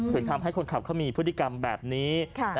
ทำให้คนขับเขามีพฤติกรรมแบบนี้